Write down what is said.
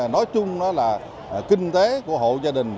nói chung là kinh tế của hộ gia đình